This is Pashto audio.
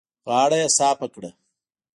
غاړه يې صافه کړه.